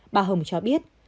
bà hồng cho biết